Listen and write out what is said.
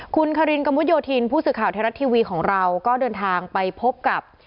คุณคารินกระมุดโยธินผู้สื่อข่าวไทยรัฐทีวีของเราก็เดินทางไปพบกับ